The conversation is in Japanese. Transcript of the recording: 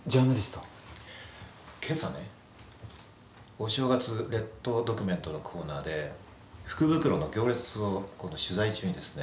今朝ねお正月列島ドキュメントのコーナーで福袋の行列を取材中にですね